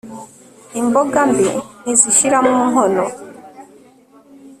imboga mbi ntizishira mu nkono